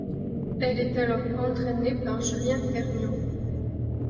Elle est alors entrainée par Julien Kernion.